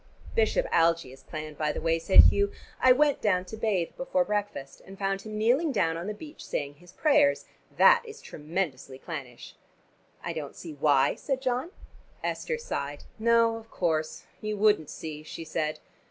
"Bishop Algie is clan, by the way," said Hugh. "I went down to bathe before breakfast, and found him kneeling down on the beach saying his prayers. That is tremendously clannish." "I don't see why," said John. Esther sighed. "No, of course you wouldn't see," she said.